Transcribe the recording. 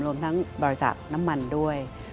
รวมทั้งบริษัทน้ำมันด้วย